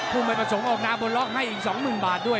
ผู้มันส่งแล้วออกน้าบนล็อกให้อีก๒๐๐๐๐บาทด้วย